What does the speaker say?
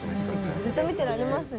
ずっと見てられますね。